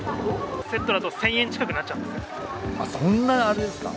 セットだと１０００円近くなそんなあれですか？